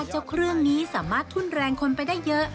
เครื่องนี้สามารถทุ่นแรงคนไปได้เยอะ